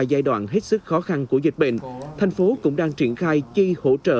giai đoạn hết sức khó khăn của dịch bệnh thành phố cũng đang triển khai chi hỗ trợ